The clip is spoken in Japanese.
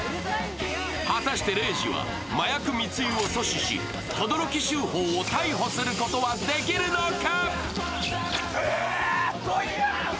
果たして玲二は麻薬密輸を阻止し、轟周宝を逮捕することはできるのか？